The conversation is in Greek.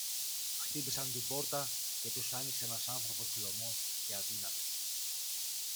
Χτύπησαν την πόρτα και τους άνοιξε ένας άνθρωπος χλωμός και αδύνατος